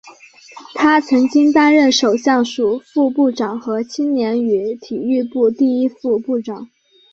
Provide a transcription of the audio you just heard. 他曾经担任首相署副部长和青年与体育部第一副部长。